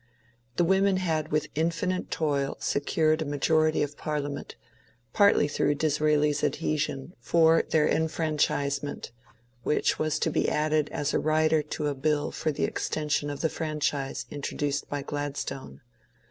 The women had with infinite toil secured a majority of Parliament, partly through Disraeli's adhesion, for their enfranchisement, which was to be added as a rider to a bill for the extension of the franchise introduced by Gladstone.